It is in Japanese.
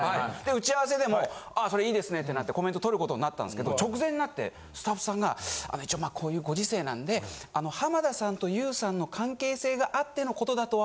打ち合わせでもあそれいいですねってなってコメントとることになったんですけど直前になってスタッフさんが一応まあこういうご時世なんで。を強調してくださいと。